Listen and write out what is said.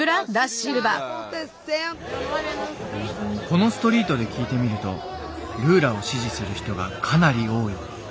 このストリートで聞いてみるとルーラを支持する人がかなり多い。